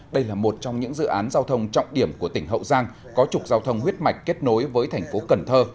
đây là một trong những dự án giao thông trọng điểm của tỉnh hậu giang có trục giao thông huyết mạch kết nối với thành phố cần thơ